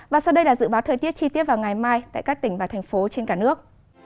và sau đây là dự báo thời tiết chi tiết vào ngày mai tại các tỉnh và thành phố trên cả nước